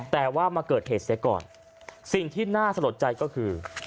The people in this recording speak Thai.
แต่ว่ามาเกิดเหตุเสียก่อนสิ่งที่น่าสะลดใจก็คือ